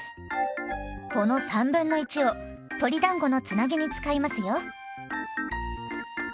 この1/3を鶏だんごのつなぎに使いますよ。